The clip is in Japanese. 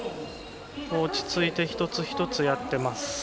落ち着いて一つ一つやってます。